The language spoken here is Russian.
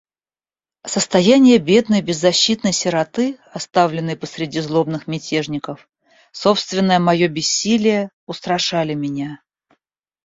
Состояние бедной беззащитной сироты, оставленной посреди злобных мятежников, собственное мое бессилие устрашали меня.